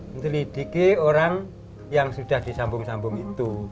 menjelidiki orang yang sudah disambung sambung itu